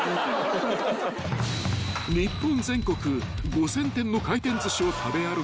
［日本全国５，０００店の回転寿司を食べ歩き